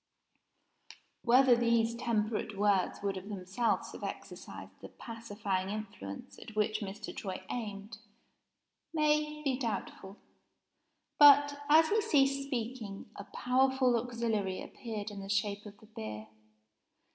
Whether these temperate words would of themselves have exercised the pacifying influence at which Mr. Troy aimed may be doubtful. But, as he ceased speaking, a powerful auxiliary appeared in the shape of the beer.